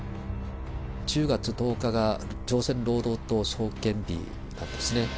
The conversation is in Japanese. １０月１０日が朝鮮労働党創建日なんですね。